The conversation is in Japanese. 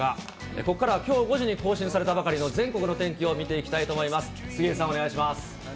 ここからはきょう５時に更新されたばかりの全国の天気を見ていきたいと思います。